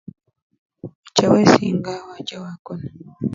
Ucha wesinga wachawakona.